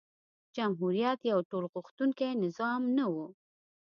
جمهوریت یو ټولغوښتونکی نظام نه و.